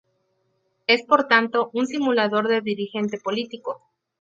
Es, por tanto, un simulador de dirigente político.